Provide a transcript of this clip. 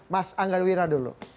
mas anggarwira dulu